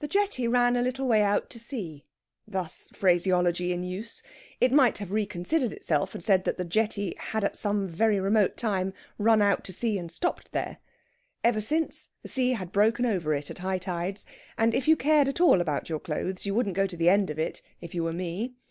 The jetty ran a little way out to sea. Thus phraseology in use. It might have reconsidered itself, and said that the jetty had at some very remote time run out to sea and stopped there. Ever since, the sea had broken over it at high tides, and if you cared at all about your clothes you wouldn't go to the end of it, if you were me.